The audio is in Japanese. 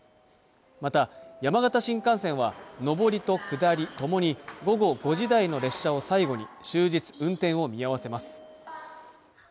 また山形新幹線は上りと下りともに午後５時台の列車を最後に終日運転を見合わせます